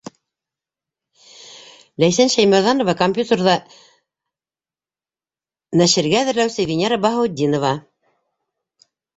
Ләйсән Шәймәрҙәнова Копьютерҙа нәшергә әҙерләүсе Венера Баһаутдинова